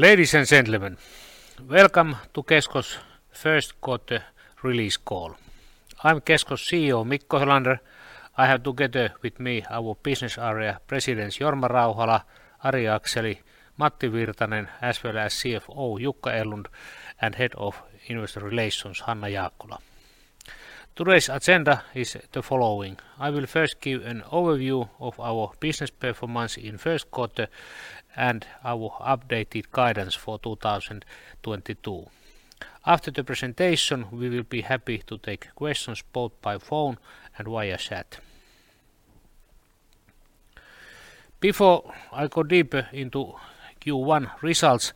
Ladies and gentlemen, welcome to Kesko's first quarter release call. I'm Kesko's CEO, Mikko Helander. I have together with me our business area Presidents Jorma Rauhala, Ari Akseli, Matti Virtanen, as well as CFO Jukka Erlund, and Head of Investor Relations, Hanna Jaakkola. Today's agenda is the following. I will first give an overview of our business performance in first quarter and our updated guidance for 2022. After the presentation, we will be happy to take questions both by phone and via chat. Before I go deeper into Q1 results,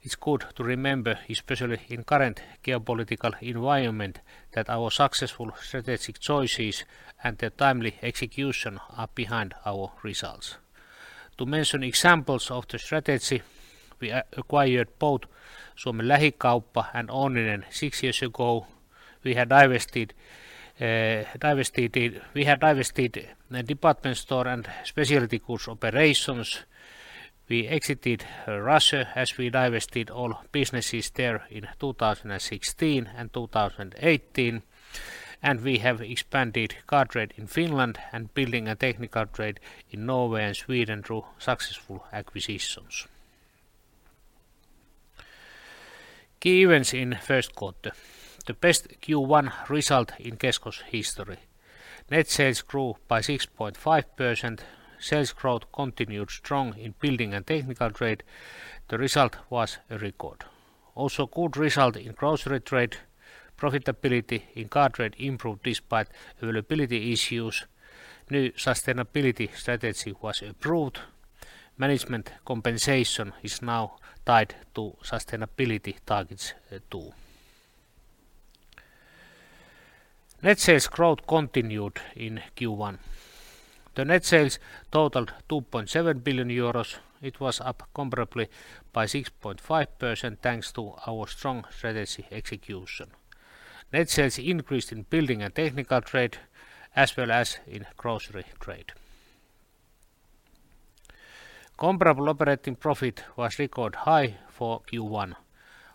it's good to remember, especially in current geopolitical environment, that our successful strategic choices and the timely execution are behind our results. To mention examples of the strategy, we acquired both Suomen Lähikauppa and Onninen six years ago. We had divested the department store and specialty goods operations. We exited Russia as we divested all businesses there in 2016 and 2018, and we have expanded car trade in Finland and building and technical trade in Norway and Sweden through successful acquisitions. Key events in first quarter. The best Q1 result in Kesko's history. Net sales grew by 6.5%. Sales growth continued strong in building and technical trade. The result was a record. Also, good result in grocery trade. Profitability in car trade improved despite availability issues. New sustainability strategy was approved. Management compensation is now tied to sustainability targets too. Net sales growth continued in Q1. The net sales totaled 2.7 billion euros. It was up comparably by 6.5% thanks to our strong strategy execution. Net sales increased in building and technical trade as well as in grocery trade. Comparable operating profit was record high for Q1,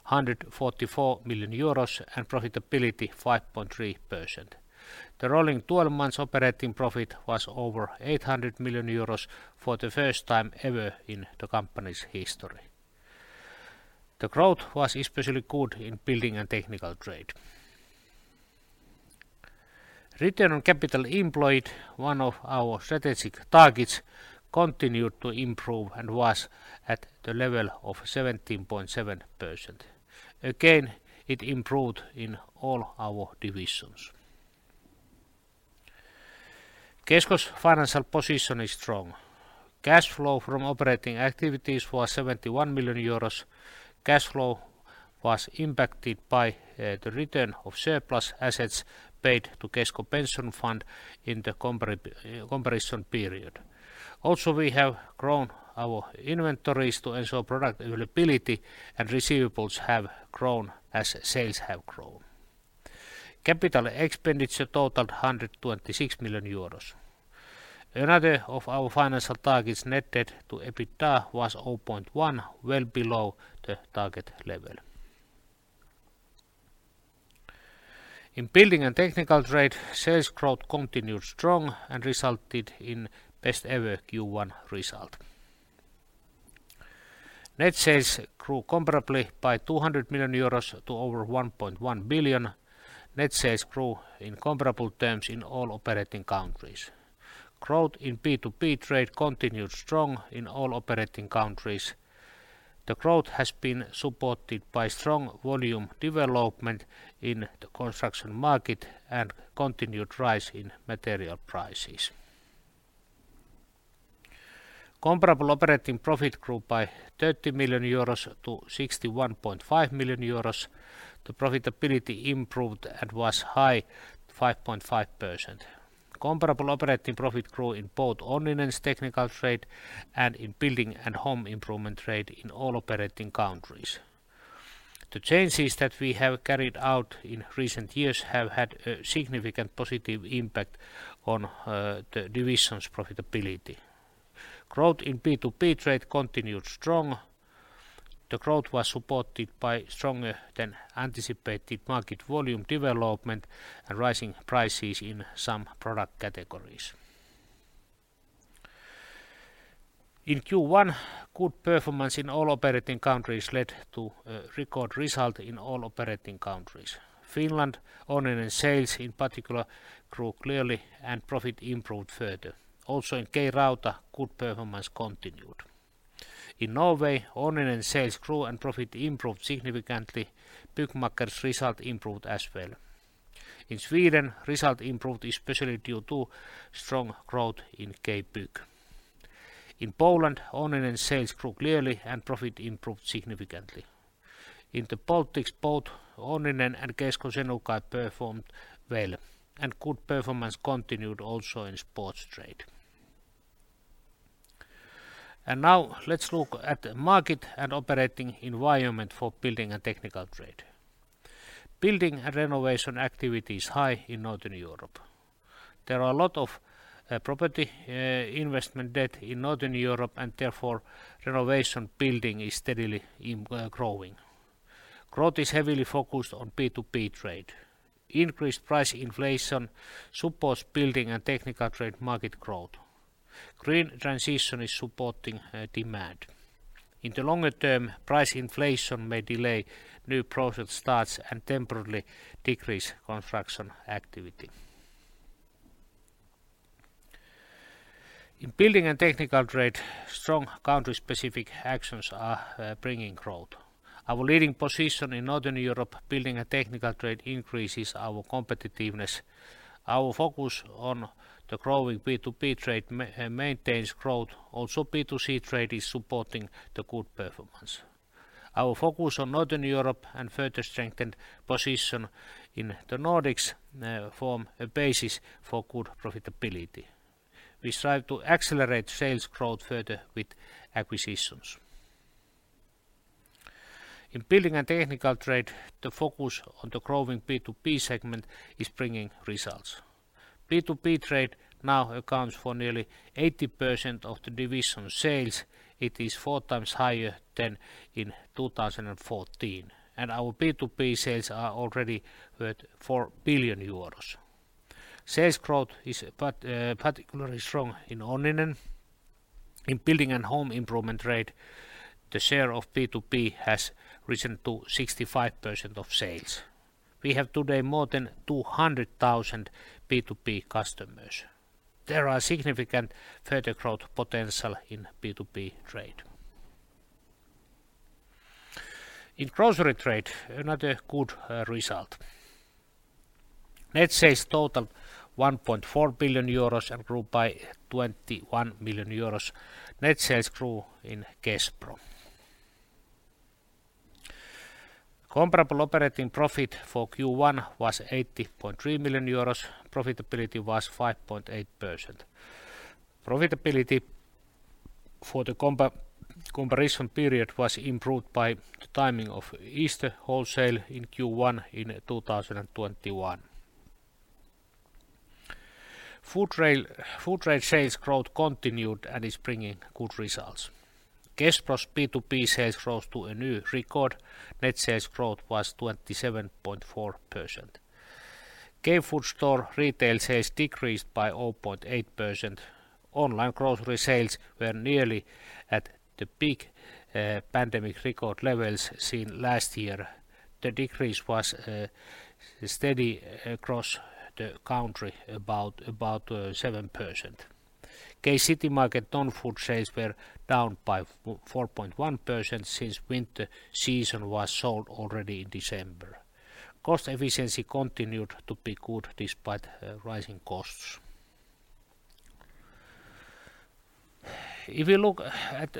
144 million euros and profitability 5.3%. The rolling twelve months operating profit was over 800 million euros for the first time ever in the company's history. The growth was especially good in building and technical trade. Return on capital employed, one of our strategic targets, continued to improve and was at the level of 17.7%. Again, it improved in all our divisions. Kesko's financial position is strong. Cash flow from operating activities was 71 million euros. Cash flow was impacted by the return of surplus assets paid to Kesko pension fund in the comparison period. Also, we have grown our inventories to ensure product availability and receivables have grown as sales have grown. Capital expenditure totaled 126 million euros. Another of our financial targets net debt to EBITDA was 0.1 well below the target level. In Building & Technical Trade, sales growth continued strong and resulted in best ever Q1 result. Net sales grew comparably by 200 million euros to over 1.1 billion. Net sales grew in comparable terms in all operating countries. Growth in B2B trade continued strong in all operating countries. The growth has been supported by strong volume development in the construction market and continued rise in material prices. Comparable operating profit grew by 30 million euros to 61.5 million euros. The profitability improved and was 5.5%. Comparable operating profit grew in both Onninen's Technical Trade and in Building and Home Improvement Trade in all operating countries. The changes that we have carried out in recent years have had a significant positive impact on the division's profitability. Growth in B2B trade continued strong. The growth was supported by stronger than anticipated market volume development and rising prices in some product categories. In Q1, good performance in all operating countries led to a record result in all operating countries. Finland, Onninen sales in particular grew clearly and profit improved further. Also in K-Rauta, good performance continued. In Norway, Onninen sales grew and profit improved significantly. Byggmakker's result improved as well. In Sweden, result improved especially due to strong growth in K-Bygg. In Poland, Onninen sales grew clearly and profit improved significantly. In the Baltics, both Onninen and Kesko Senukai performed well, and good performance continued also in sports trade. Now let's look at market and operating environment for Building & Technical Trade. Building and renovation activity is high in Northern Europe. There are a lot of property investment debt in Northern Europe, and therefore renovation building is steadily growing. Growth is heavily focused on B2B trade. Increased price inflation supports Building & Technical Trade market growth. Green transition is supporting demand. In the longer term, price inflation may delay new project starts and temporarily decrease construction activity. In Building & Technical Trade, strong country-specific actions are bringing growth. Our leading position in Northern Europe Building & Technical Trade increases our competitiveness. Our focus on the growing B2B trade maintains growth. Also, B2C trade is supporting the good performance. Our focus on Northern Europe and further strengthened position in the Nordics form a basis for good profitability. We strive to accelerate sales growth further with acquisitions. In building and technical trade, the focus on the growing B2B segment is bringing results. B2B trade now accounts for nearly 80% of the division sales. It is four times higher than in 2014, and our B2B sales are already worth 4 billion euros. Sales growth is particularly strong in Onninen. In building and home improvement trade, the share of B2B has risen to 65% of sales. We have today more than 200,000 B2B customers. There are significant further growth potential in B2B trade. In grocery trade, another good result. Net sales totaled 1.4 billion euros and grew by 21 million euros. Net sales grew in Kespro. Comparable operating profit for Q1 was 80.3 million euros. Profitability was 5.8%. Profitability for the comparison period was improved by the timing of Easter wholesale in Q1 2021. Food trade sales growth continued and is bringing good results. Kespro's B2B sales rose to a new record. Net sales growth was 27.4%. K-food store retail sales decreased by 0.8%. Online grocery sales were nearly at the peak pandemic record levels seen last year. The decrease was steady across the country, about 7%. K-Citymarket non-food sales were down by 4.1% since winter season was sold already in December. Cost efficiency continued to be good despite rising costs. If you look at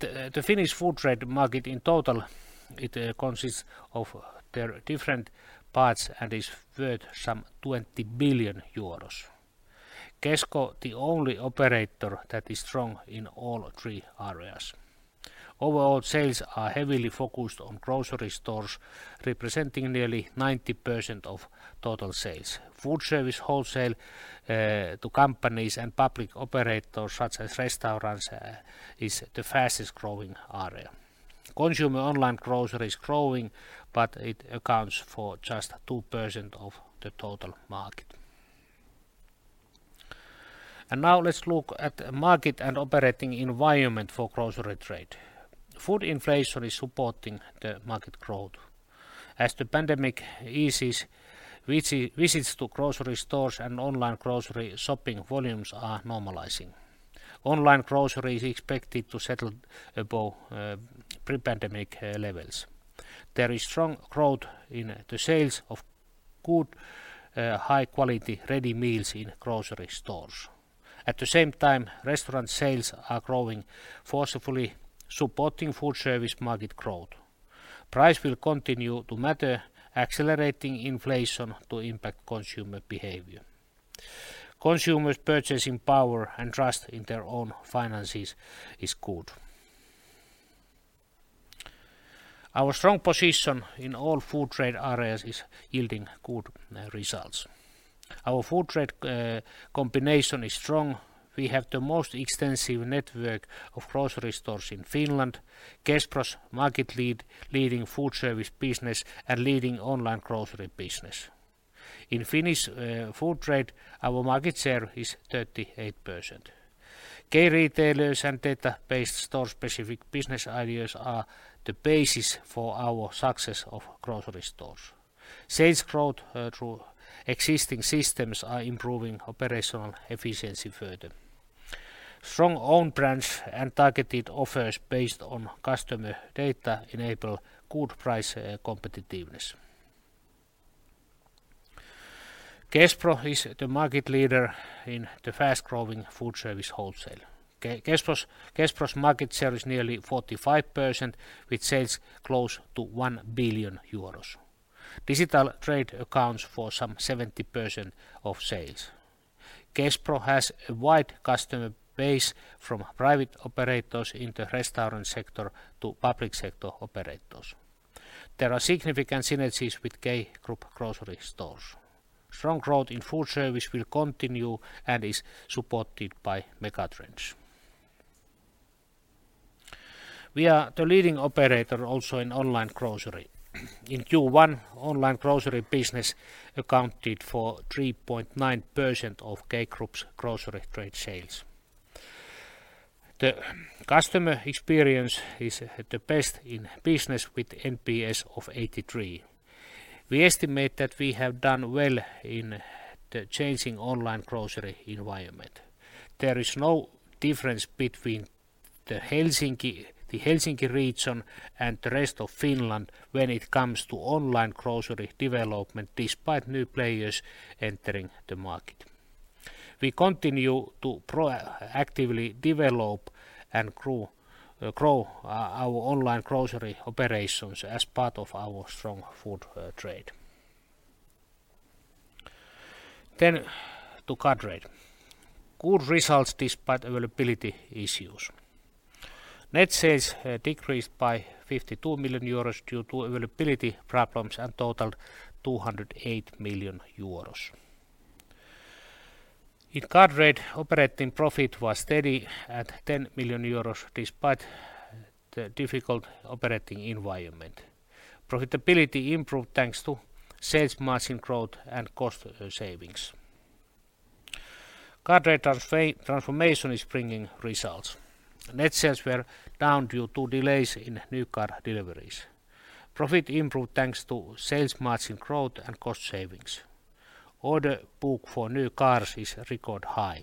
the Finnish food trade market in total, it consists of their different parts and is worth some 20 billion euros. Kesko the only operator that is strong in all three areas. Overall sales are heavily focused on grocery stores, representing nearly 90% of total sales. Foodservice wholesale to companies and public operators such as restaurants is the fastest-growing area. Consumer online grocery is growing, but it accounts for just 2% of the total market. Now let's look at market and operating environment for grocery trade. Food inflation is supporting the market growth. As the pandemic eases, visits to grocery stores and online grocery shopping volumes are normalizing. Online grocery is expected to settle above pre-pandemic levels. There is strong growth in the sales of good high quality ready meals in grocery stores. At the same time, restaurant sales are growing forcefully, supporting foodservice market growth. Price will continue to matter, accelerating inflation to impact consumer behavior. Consumers' purchasing power and trust in their own finances is good. Our strong position in all food trade areas is yielding good results. Our food trade combination is strong. We have the most extensive network of grocery stores in Finland, Kespro's market lead, leading foodservice business, and leading online grocery business. In Finnish food trade, our market share is 38%. Key retailers and data-based store-specific business ideas are the basis for our success of grocery stores. Sales growth through existing systems are improving operational efficiency further. Strong own brands and targeted offers based on customer data enable good price competitiveness. Kespro is the market leader in the fast-growing foodservice wholesale. Kespro's market share is nearly 45%, with sales close to 1 billion euros. Digital trade accounts for some 70% of sales. Kespro has a wide customer base from private operators in the restaurant sector to public sector operators. There are significant synergies with K Group grocery stores. Strong growth in food service will continue and is supported by megatrends. We are the leading operator also in online grocery. In Q1, online grocery business accounted for 3.9% of K Group's grocery trade sales. The customer experience is the best in business with NPS of 83. We estimate that we have done well in the changing online grocery environment. There is no difference between the Helsinki region and the rest of Finland when it comes to online grocery development despite new players entering the market. We continue to proactively develop and grow our online grocery operations as part of our strong food trade. To Car Trade. Good results despite availability issues. Net sales decreased by 52 million euros due to availability problems and totaled 208 million euros. In Car Trade, operating profit was steady at 10 million euros despite the difficult operating environment. Profitability improved thanks to sales margin growth and cost savings. Car Trade transformation is bringing results. Net sales were down due to delays in new car deliveries. Profit improved thanks to sales margin growth and cost savings. Order book for new cars is record high.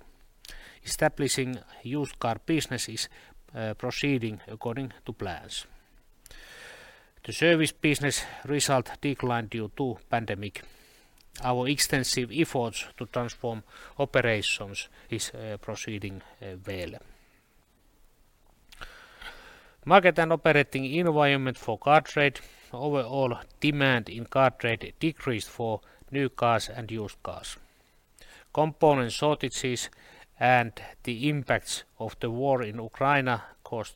Establishing used car business is proceeding according to plans. The service business result declined due to pandemic. Our extensive efforts to transform operations is proceeding well. Market and operating environment for Car Trade. Overall demand in Car Trade decreased for new cars and used cars. Component shortages and the impacts of the war in Ukraine caused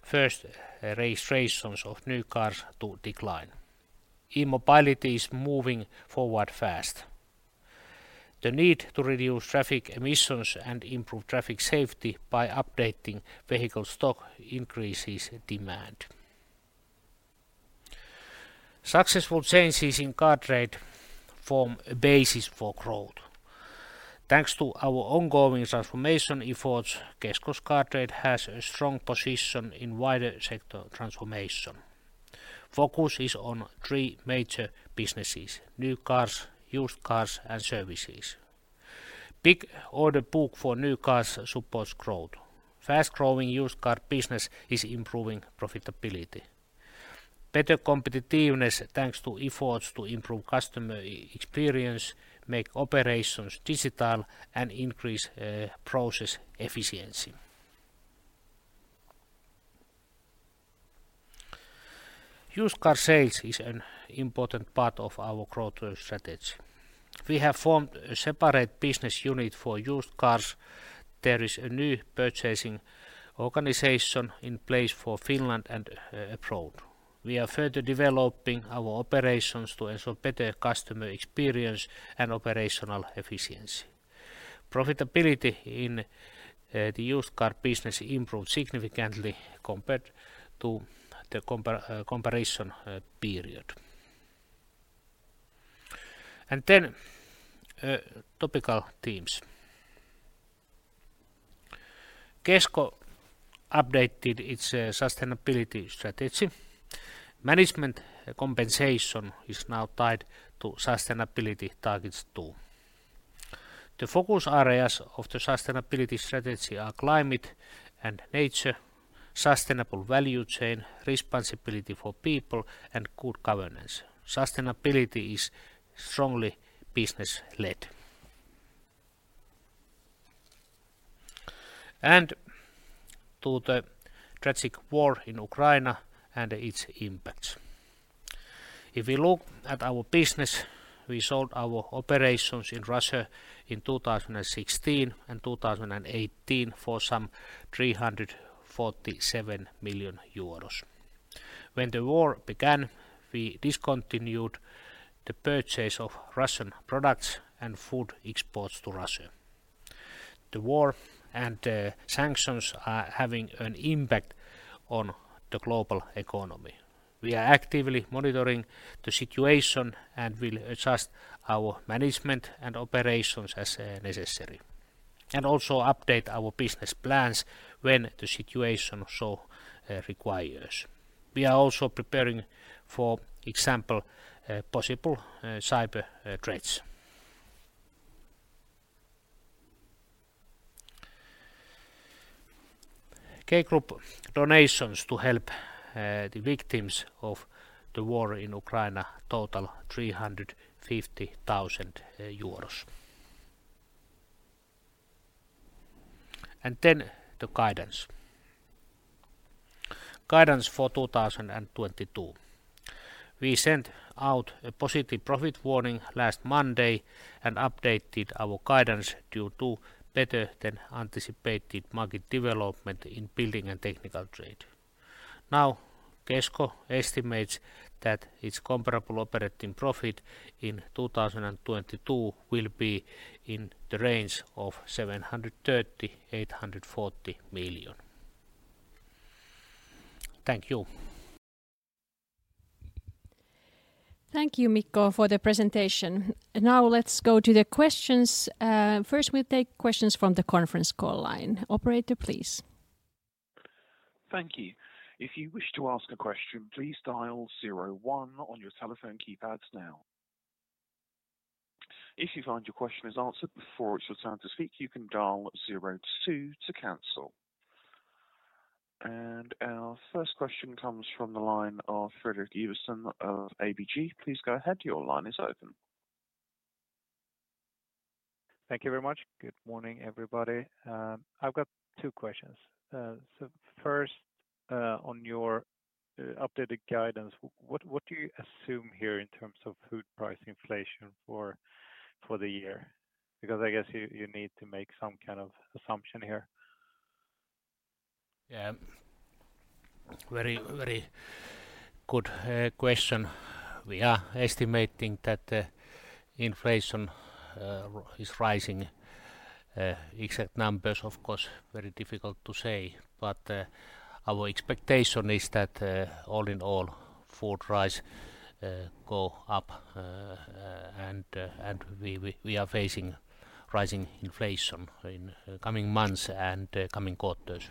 first registrations of new cars to decline. E-mobility is moving forward fast. The need to reduce traffic emissions and improve traffic safety by updating vehicle stock increases demand. Successful changes in Car Trade form a basis for growth. Thanks to our ongoing transformation efforts, Kesko's Car Trade has a strong position in wider sector transformation. Focus is on three major businesses. New cars, used cars, and services. Big order book for new cars supports growth. Fast-growing used car business is improving profitability. Better competitiveness thanks to efforts to improve customer e-experience, make operations digital, and increase process efficiency. Used car sales is an important part of our growth strategy. We have formed a separate business unit for used cars. There is a new purchasing organization in place for Finland and abroad. We are further developing our operations to ensure better customer experience and operational efficiency. Profitability in the used car business improved significantly compared to the comparison period. Topical themes. Kesko updated its sustainability strategy. Management compensation is now tied to sustainability targets too. The focus areas of the sustainability strategy are climate and nature, sustainable value chain, responsibility for people, and good governance. Sustainability is strongly business-led. To the tragic war in Ukraine and its impacts. If we look at our business, we sold our operations in Russia in 2016 and 2018 for some 347 million euros. When the war began, we discontinued the purchase of Russian products and food exports to Russia. The war and sanctions are having an impact on the global economy. We are actively monitoring the situation and will adjust our management and operations as necessary and also update our business plans when the situation so requires. We are also preparing for example, possible cyber threats. K Group donations to help the victims of the war in Ukraine total EUR 350,000. Guidance for 2022. We sent out a positive profit warning last Monday and updated our guidance due to better than anticipated market development in building and technical trade. Now, Kesko estimates that its comparable operating profit in 2022 will be in the range of 730 million-840 million. Thank you. Thank you, Mikko, for the presentation. Now let's go to the questions. First we'll take questions from the conference call line. Operator, please. Thank you. If you wish to ask a question, please dial zero one on your telephone keypads now. If you find your question is answered before it's your turn to speak, you can dial zero two to cancel. Our first question comes from the line of Fredrik Ivarsson of ABG. Please go ahead, your line is open. Thank you very much. Good morning, everybody. I've got two questions. First, on your updated guidance, what do you assume here in terms of food price inflation for the year? Because I guess you need to make some kind of assumption here. Yeah. Very, very good question. We are estimating that inflation is rising. Exact numbers, of course, very difficult to say, but our expectation is that all in all, food price go up and we are facing rising inflation in coming months and coming quarters.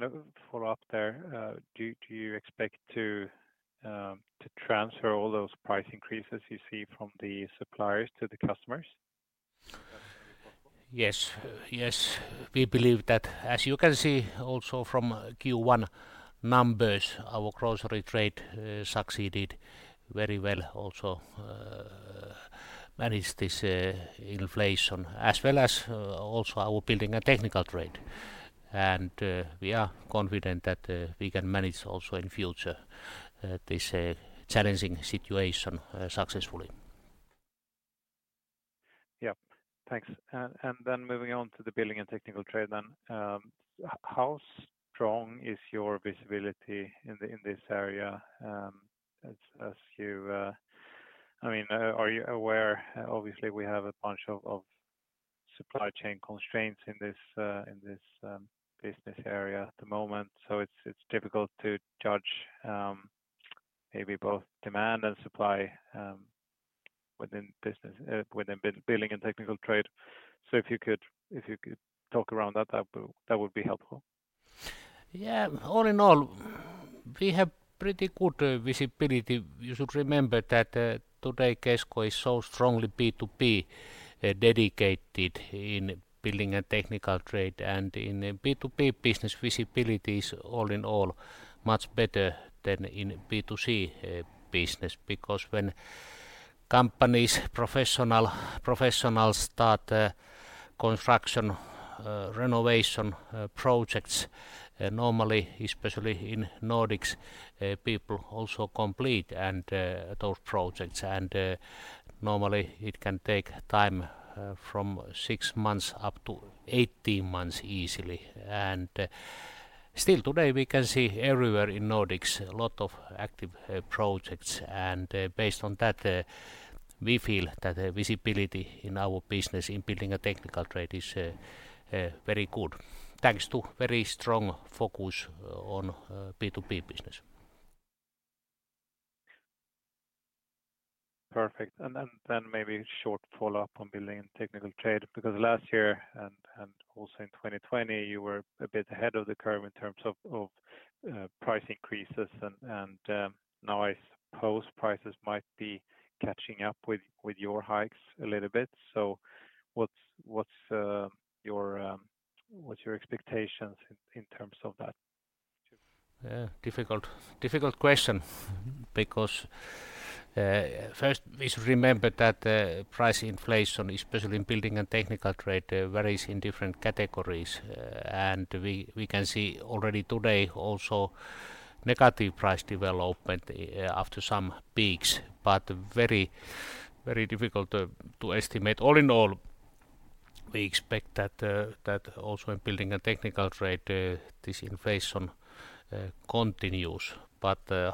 A follow-up there. Do you expect to transfer all those price increases you see from the suppliers to the customers? Yes. Yes. We believe that. As you can see also from Q1 numbers, our Grocery Trade succeeded very well, also manage this inflation, as well as also our Building & Technical Trade. We are confident that we can manage also in future this challenging situation successfully. Yeah. Thanks. Then moving on to the building and technical trade. How strong is your visibility in this area? I mean, are you aware, obviously, we have a bunch of supply chain constraints in this business area at the moment, so it's difficult to judge, maybe both demand and supply, within building and technical trade. If you could talk around that would be helpful. Yeah. All in all, we have pretty good visibility. You should remember that, today, Kesko is so strongly B2B dedicated in building and technical trade. In a B2B business, visibility is all in all much better than in B2C business because when companies, professionals start construction, renovation, projects, normally, especially in Nordics, people also complete and those projects. Normally it can take time from six months up to 18 months easily. Still today, we can see everywhere in Nordics a lot of active projects. Based on that, we feel that the visibility in our business in building and technical trade is very good, thanks to very strong focus on B2B business. Perfect. Maybe short follow-up on Building & Technical Trade, because last year and also in 2020, you were a bit ahead of the curve in terms of price increases and now I suppose prices might be catching up with your hikes a little bit. What's your expectations in terms of that? Yeah. Difficult question because first we should remember that the price inflation, especially in building and technical trade, varies in different categories. We can see already today also negative price development after some peaks, but very difficult to estimate. All in all, we expect that also in building and technical trade, this inflation continues.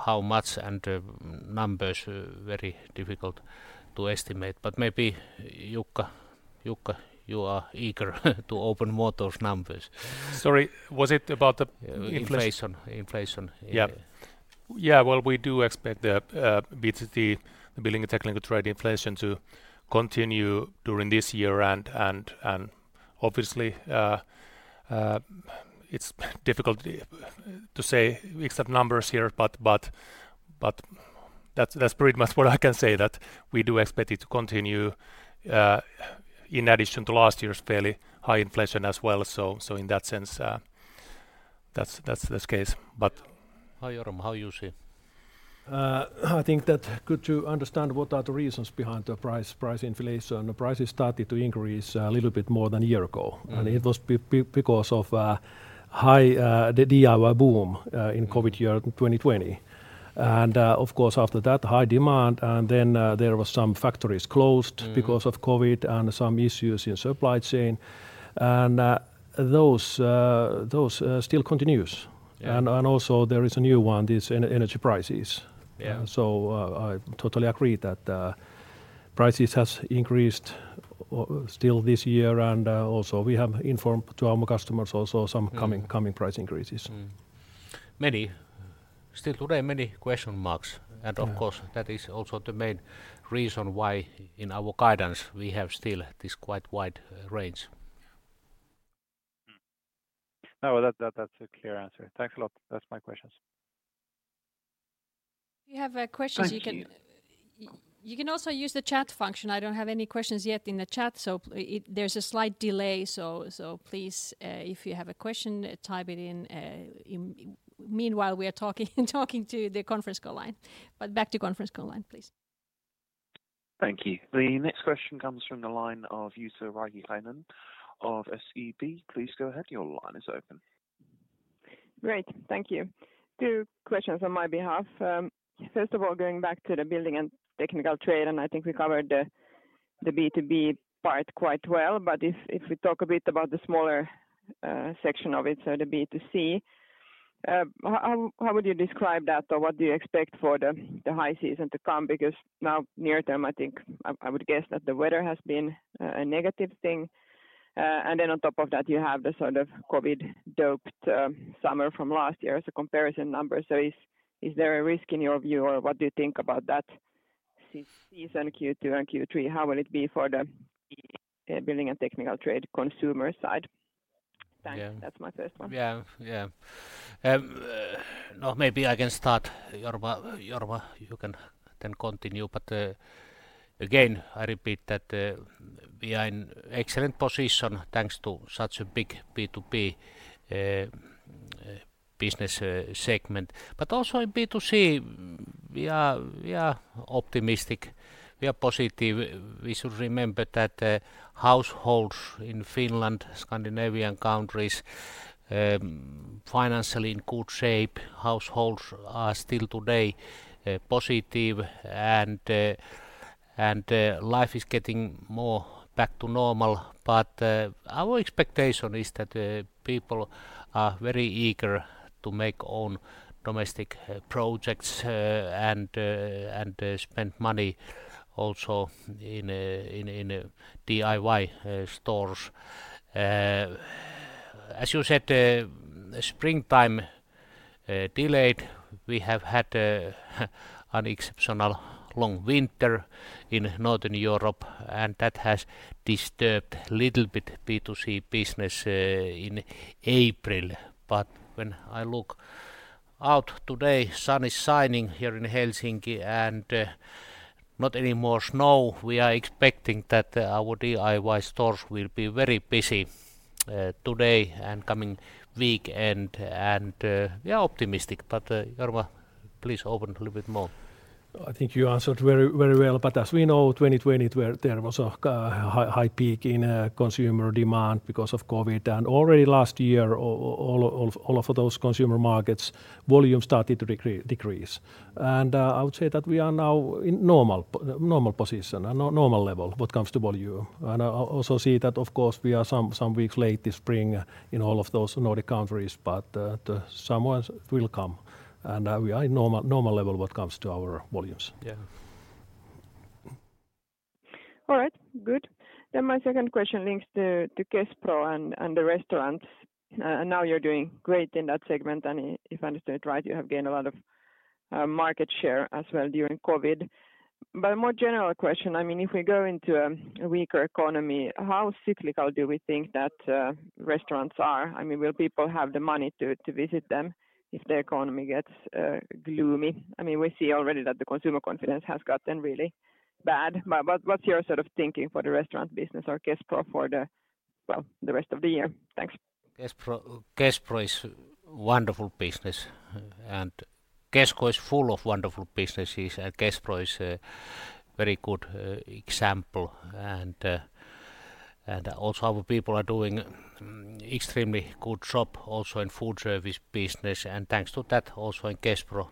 How much and the numbers very difficult to estimate. Maybe Jukka, you are eager to open more on those numbers. Sorry, was it about the inflation? Inflation. Yeah. Yeah. Well, we do expect the BTT, the building and technical trade inflation to continue during this year and obviously, it's difficult to say exact numbers here, but that's pretty much what I can say, that we do expect it to continue in addition to last year's fairly high inflation as well. In that sense, That's this case. Hi, Jorma, how you see? I think it's good to understand what are the reasons behind the price inflation. The prices started to increase a little bit more than a year ago. Mm. It was because of the high DIY boom in COVID year 2020. Of course after that, high demand and then, there was some factories closed. Mm Because of COVID and some issues in supply chain and those still continues. Yeah. also there is a new one, this energy prices. Yeah. I totally agree that prices has increased still this year and also we have informed to our customers also some Mm Coming price increases. Many still today, many question marks. Yeah. Of course that is also the main reason why in our guidance we have still this quite wide range. No, that's a clear answer. Thanks a lot. That's my questions. You have questions? Thank you. You can also use the chat function. I don't have any questions yet in the chat so there's a slight delay, please if you have a question, type it in. Meanwhile, we are talking to the conference call line. Back to conference call line, please. Thank you. The next question comes from the line of Jutta Rahikainen of SEB. Please go ahead, your line is open. Great. Thank you. Two questions on my behalf. First of all, going back to the building and technical trade, I think we covered the B2B part quite well. If we talk a bit about the smaller section of it, so the B2C, how would you describe that or what do you expect for the high season to come? Because now near term I think I would guess that the weather has been a negative thing. And then on top of that you have the sort of COVID-boosted summer from last year as a comparison number. Is there a risk in your view or what do you think about that high season Q2 and Q3? How will it be for the building and technical trade consumer side? Thanks. Yeah. That's my first one. Yeah. No, maybe I can start. Jorma, you can then continue. Again, I repeat that we are in excellent position thanks to such a big B2B business segment. Also in B2C we are optimistic, we are positive. We should remember that households in Finland, Scandinavian countries, financially in good shape. Households are still today positive and life is getting more back to normal. Our expectation is that people are very eager to make own domestic projects and spend money also in DIY stores. As you said, springtime delayed. We have had an exceptional long winter in Northern Europe and that has disturbed little bit B2C business in April. When I look out today, sun is shining here in Helsinki and not any more snow. We are expecting that our DIY stores will be very busy today and coming weekend and we are optimistic. Jorma, please open a little bit more. I think you answered very well. As we know, 2020 there was a high peak in consumer demand because of COVID. Already last year, all of those consumer markets, volume started to decrease. I would say that we are now in normal position and normal level when it comes to volume. I also see that of course we are some weeks late this spring in all of those Nordic countries but the summer will come and we are in normal level when it comes to our volumes. Yeah. All right. Good. My second question links to Kespro and the restaurants. I know you're doing great in that segment, and if I understand right, you have gained a lot of market share as well during COVID. A more general question, I mean, if we go into a weaker economy, how cyclical do we think that restaurants are? I mean, will people have the money to visit them if the economy gets gloomy? I mean, we see already that the consumer confidence has gotten really bad. What’s your sort of thinking for the restaurant business or Kespro for the, well, the rest of the year? Thanks. Kespro is wonderful business, and Kesko is full of wonderful businesses and Kespro is a very good example. Our people are doing extremely good job also in food service business. Thanks to that, also in Kespro,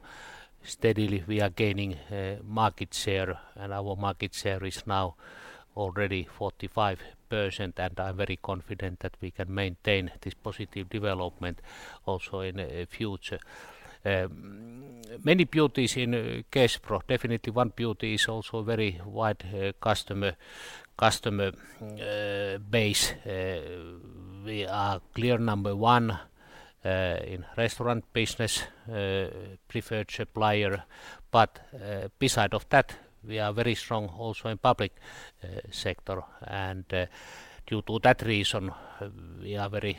steadily we are gaining market share and our market share is now already 45%, and I'm very confident that we can maintain this positive development also in the future. Many beauties in Kespro. Definitely one beauty is also very wide customer base. We are clear number one in restaurant business, preferred supplier. Besides that, we are very strong also in public sector. Due to that reason, we are very,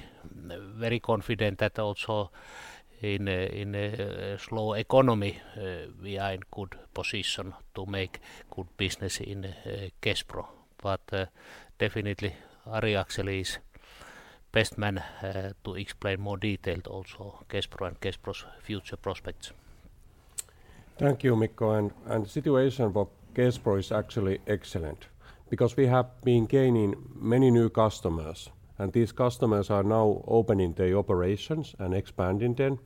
very confident that also in a slow economy, we are in good position to make good business in Kespro. Definitely, Ari Akseli is best man to explain more detailed also Kespro and Kespro's future prospects. Thank you, Mikko. The situation for Kespro is actually excellent because we have been gaining many new customers, and these customers are now opening their operations and expanding them,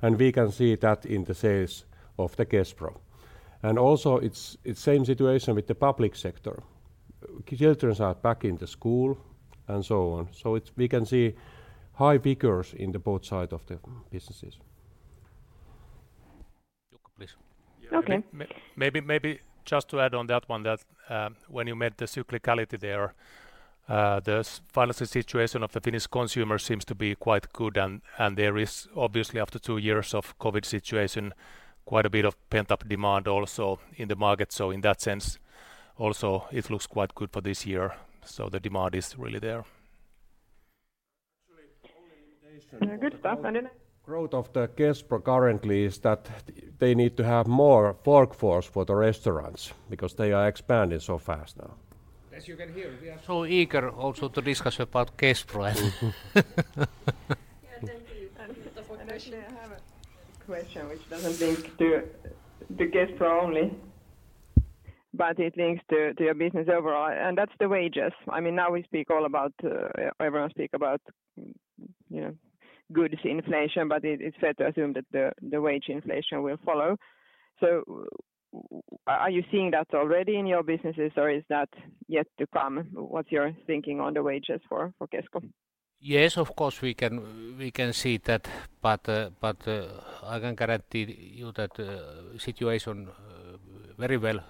and we can see that in the sales of Kespro. It's the same situation with the public sector. Children are back in school and so on. We can see high figures in both sides of the businesses. Jukka, please. Okay. Yeah. Maybe just to add on that one that, when you made the cyclicality there, the financial situation of the Finnish consumer seems to be quite good and there is obviously after two years of COVID situation quite a bit of pent-up demand also in the market. In that sense also it looks quite good for this year. The demand is really there. Actually, only limitation for the grow- Good. Growth of the Kespro currently is that they need to have more workforce for the restaurants because they are expanding so fast now. As you can hear, we are so eager also to discuss about Kespro. Yeah. Thank you. Thank you for question. Actually I have a question which doesn't link to Kespro only, but it links to your business overall, and that's the wages. I mean, now we speak all about, everyone speak about, you know, goods inflation, but it's fair to assume that the wage inflation will follow. Are you seeing that already in your businesses or is that yet to come? What's your thinking on the wages for Kesko? Yes, of course, we can see that. I can guarantee you that situation very well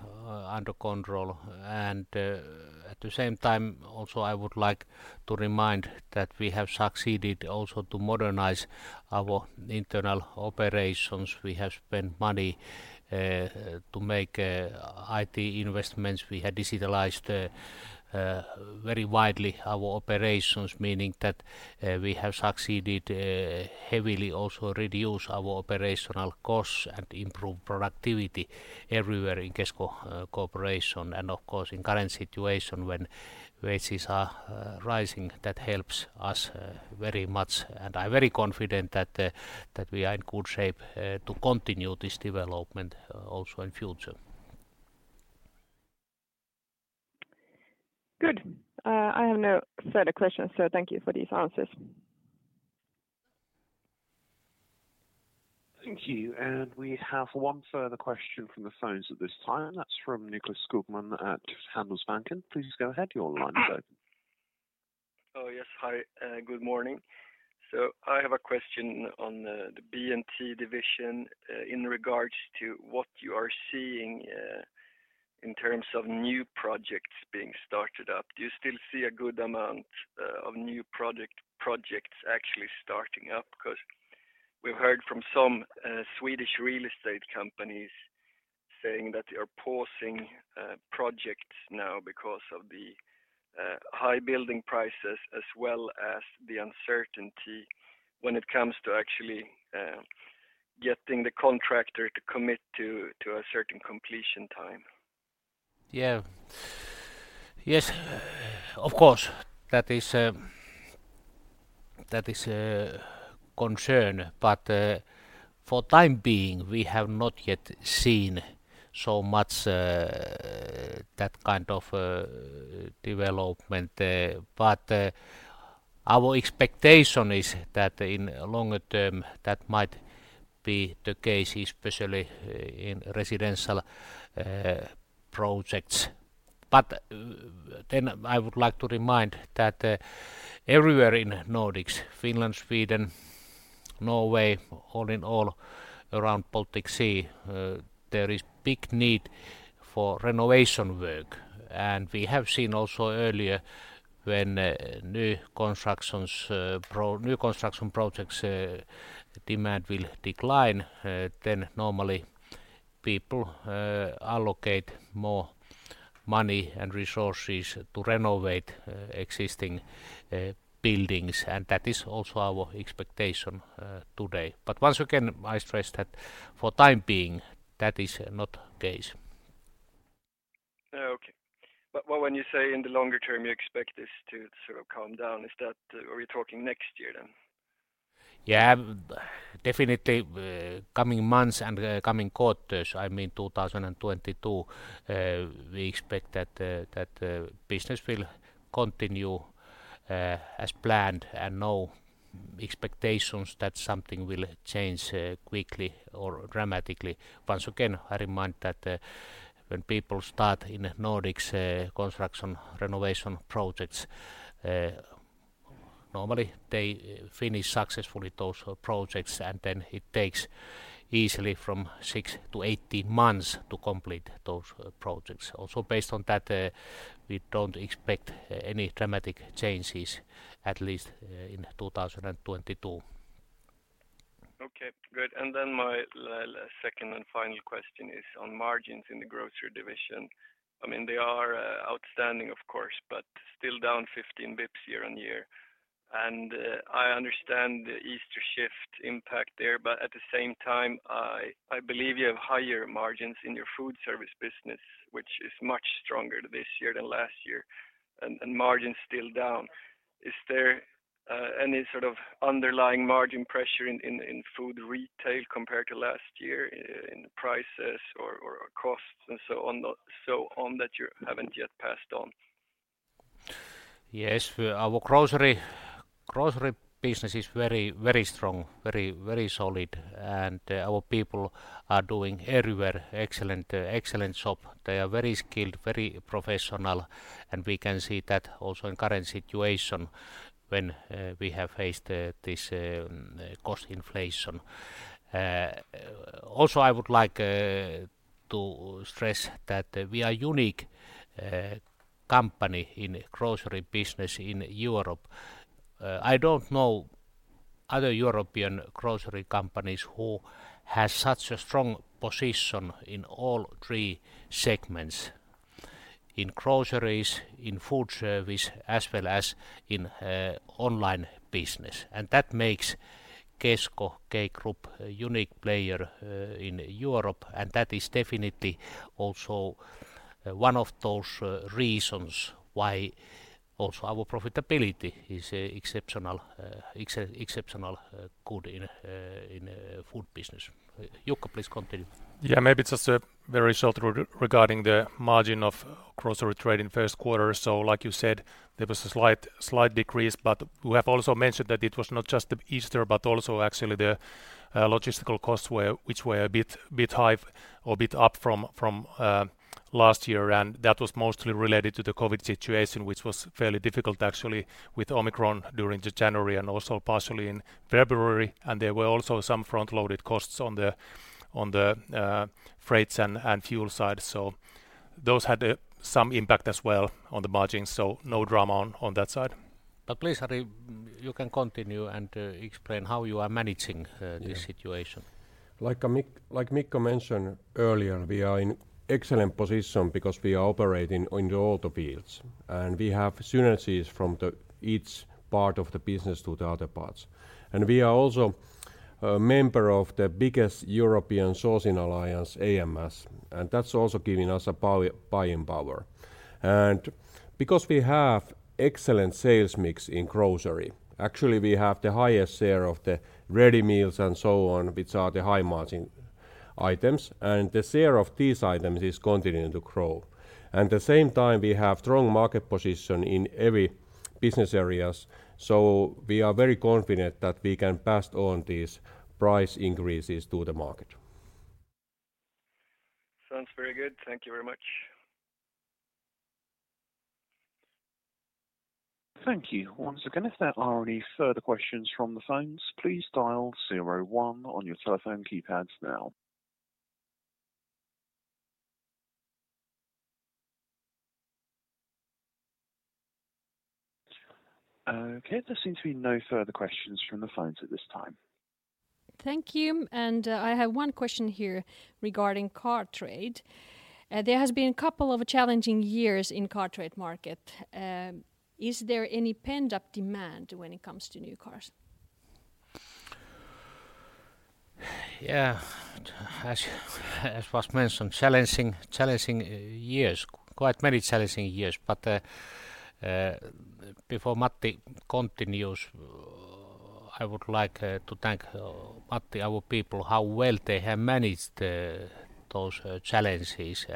under control. At the same time also I would like to remind that we have succeeded also to modernize our internal operations. We have spent money to make IT investments. We had digitalized very widely our operations, meaning that we have succeeded heavily also reduce our operational costs and improve productivity everywhere in Kesko Corporation. Of course, in current situation, when wages are rising, that helps us very much. I'm very confident that we are in good shape to continue this development also in future. Good. I have no further questions, so thank you for these answers. Thank you. We have one further question from the phones at this time. That's from Nicklas Skogman at Handelsbanken. Please go ahead. Your line is open. Oh, yes. Hi. Good morning. I have a question on the B&T division in regards to what you are seeing in terms of new projects being started up. Do you still see a good amount of new projects actually starting up? Because we've heard from some Swedish real estate companies saying that they are pausing projects now because of the high building prices as well as the uncertainty when it comes to actually getting the contractor to commit to a certain completion time. Yeah. Yes. Of course, that is a concern. For time being, we have not yet seen so much that kind of development there. Our expectation is that in longer term that might be the case, especially in residential projects. Then I would like to remind that everywhere in Nordics, Finland, Sweden, Norway, all in all around Baltic Sea, there is big need for renovation work. We have seen also earlier when new construction projects demand will decline, then normally people allocate more money and resources to renovate existing buildings, and that is also our expectation today. Once again, I stress that for time being, that is not the case. Okay. When you say in the longer term you expect this to sort of calm down, are we talking next year then? Yeah. Definitely, coming months and coming quarters, I mean, 2022, we expect that business will continue as planned and no expectations that something will change quickly or dramatically. Once again, I remind that when people start in Nordics construction renovation projects, normally they finish successfully those projects, and then it takes easily from six to 18 months to complete those projects. Also based on that, we don't expect any dramatic changes at least in 2022. Okay, good. My second and final question is on margins in the grocery division. I mean, they are outstanding of course, but still down 15 basis points year-over-year. I understand the Easter shift impact there, but at the same time, I believe you have higher margins in your food service business, which is much stronger this year than last year, and margin's still down. Is there any sort of underlying margin pressure in food retail compared to last year in prices or costs and so on that you haven't yet passed on? Yes. Our grocery business is very solid, and our people are doing everywhere excellent job. They are very skilled, very professional, and we can see that also in current situation when we have faced this cost inflation. Also, I would like to stress that we are unique company in grocery business in Europe. I don't know other European grocery companies who has such a strong position in all three segments, in groceries, in food service, as well as in online business. That makes Kesko K Group a unique player in Europe, and that is definitely also one of those reasons why also our profitability is exceptional good in food business. Jukka, please continue. Yeah. Maybe just a very short regarding the margin of grocery trade in first quarter. Like you said, there was a slight decrease, but we have also mentioned that it was not just the Easter but also actually the logistical costs, which were a bit high or up from last year. That was mostly related to the COVID situation, which was fairly difficult actually with Omicron during January and also partially in February. There were also some front-loaded costs on the freights and fuel side. Those had some impact as well on the margins, so no drama on that side. Please, Ari Akseli, you can continue and explain how you are managing this situation. Like, Mikko mentioned earlier, we are in excellent position because we are operating in the auto fields, and we have synergies from the each part of the business to the other parts. We are also a member of the biggest European sourcing alliance, AMS, and that's also giving us a buying power. Because we have excellent sales mix in grocery, actually we have the highest share of the ready meals and so on, which are the high margin items, and the share of these items is continuing to grow. At the same time, we have strong market position in every business areas, so we are very confident that we can pass on these price increases to the market. Sounds very good. Thank you very much. Thank you once again. If there are any further questions from the phones, please dial zero one on your telephone keypads now. Okay, there seems to be no further questions from the phones at this time. Thank you, and I have one question here regarding car trade. There has been a couple of challenging years in car trade market. Is there any pent-up demand when it comes to new cars? Yeah. As was mentioned, challenging years, quite many challenging years. Before Matti continues, I would like to thank Matti, our people, how well they have managed those challenges.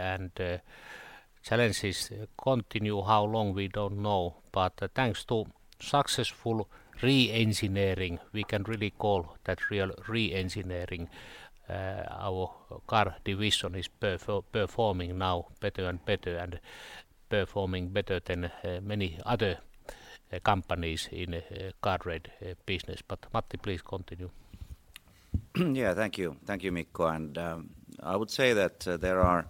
Challenges continue, how long we don't know, but thanks to successful re-engineering, we can really call that real re-engineering, our car division is performing now better and better and performing better than many other companies in car trade business. Matti, please continue. Yeah. Thank you. Thank you, Mikko. I would say that there are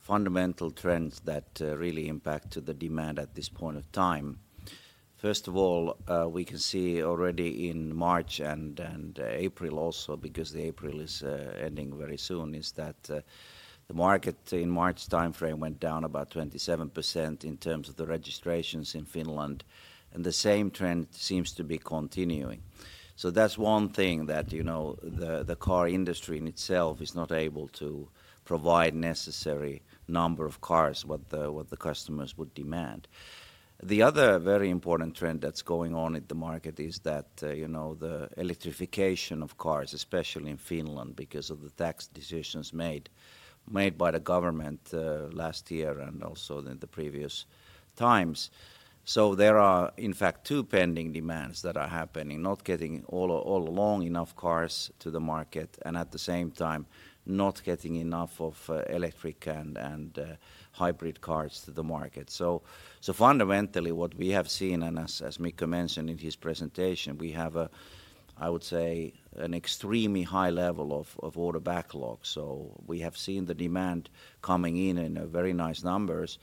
fundamental trends that really impact to the demand at this point of time. First of all, we can see already in March and April also, because April is ending very soon, is that the market in March timeframe went down about 27% in terms of the registrations in Finland, and the same trend seems to be continuing. That's one thing that, you know, the car industry in itself is not able to provide necessary number of cars what the customers would demand. The other very important trend that's going on in the market is that, you know, the electrification of cars, especially in Finland because of the tax decisions made by the government last year and also in the previous times. There are, in fact, two pending demands that are happening. Not getting all long enough cars to the market and at the same time not getting enough of electric and hybrid cars to the market. Fundamentally what we have seen, and as Mikko mentioned in his presentation, we have, I would say, an extremely high level of order backlog. We have seen the demand coming in in very nice numbers.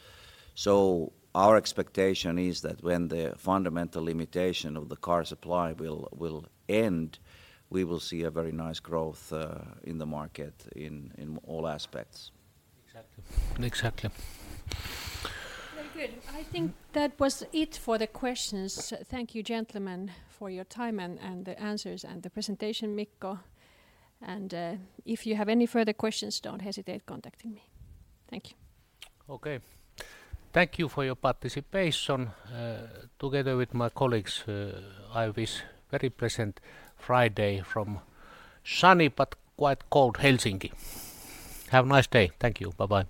Our expectation is that when the fundamental limitation of the car supply will end, we will see a very nice growth in the market in all aspects. Exactly.Exactly. Very good. I think that was it for the questions. Thank you, gentlemen, for your time and the answers and the presentation, Mikko. If you have any further questions, don't hesitate contacting me. Thank you. Okay. Thank you for your participation. Together with my colleagues, I wish very pleasant Friday from sunny but quite cold Helsinki. Have a nice day. Thank you. Bye-bye.